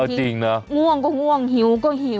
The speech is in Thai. จริงนะง่วงก็ง่วงหิวก็หิว